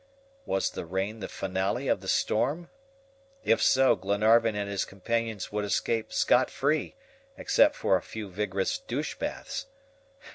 Was the rain the FINALE of the storm? If so, Glenarvan and his companions would escape scot free, except for a few vigorous douche baths.